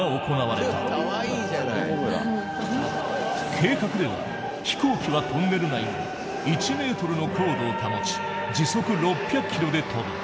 計画では飛行機はトンネル内を１ｍの高度を保ち時速６００キロで飛ぶ。